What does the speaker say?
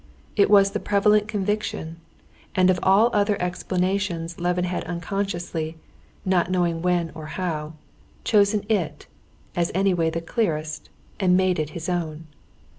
It was the prevalent conviction, and of all other explanations Levin had unconsciously, not knowing when or how, chosen it, as anyway the clearest, and made it his own.